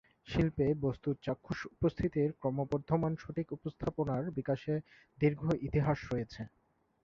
শিল্পে, বস্তুর চাক্ষুষ উপস্থিতির ক্রমবর্ধমান সঠিক উপস্থাপনার বিকাশের দীর্ঘ ইতিহাস রয়েছে।